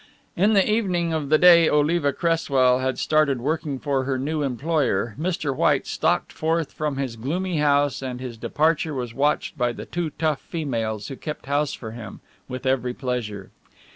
In the evening of the day Oliva Cresswell had started working for her new employer, Mr. White stalked forth from his gloomy house and his departure was watched by the two tough females who kept house for him, with every pleasure.